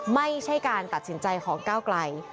ไม่ใช่การตัดสินใจของก้าวไกล